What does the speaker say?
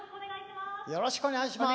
よろしくお願いします。